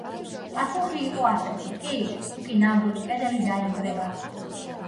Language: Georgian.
პასუხი იყო ასეთი: „კი, თუკი ნამდვილი კედელი დაინგრევა“.